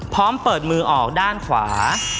พร้อมเปิดมือออกด้านขวา